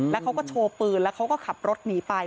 แล้วเขาก็โชว์ปืนแล้วเขาก็ขับรถหนีไป